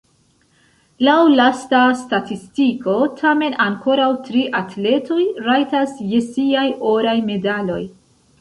Laŭ lasta statistiko, tamen ankoraŭ tri atletoj rajtas je siaj oraj medaloj.